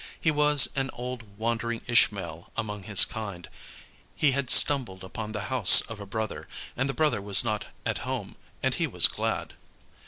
He was an old wandering Ishmael among his kind; he had stumbled upon the house of a brother, and the brother was not at home, and he was glad.